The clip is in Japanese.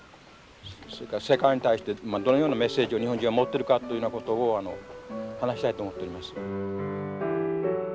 それから世界に対してどのようなメッセージを日本人は持ってるかというようなことを話したいと思っております。